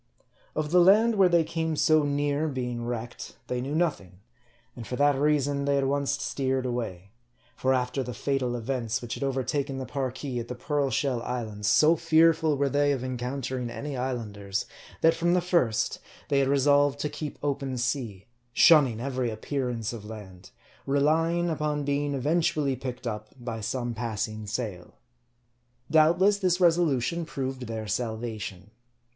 Of the land where they came so near being wrecked, they knew nothing ; and for that reason, they at once steered away. For after the fatal events which had overtaken the Parki at the Pearl Shell islands, so fearful were they of encountering any Islanders, that from the first they had resolved to keep open sea, shunning every appearance of land ; relying upon being eventually picked up by some passing sail. Doubtless this resolution proved their salvation.